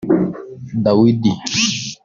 Dawidi